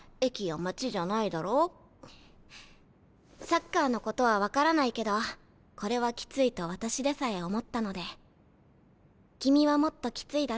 サッカーのことは分からないけどこれはきついと私でさえ思ったので君はもっときついだろ。